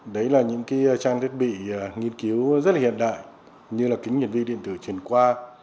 đấy là những trang thiết bị nghiên cứu rất hiện đại như kiến nghiệm vi điện tử truyền qua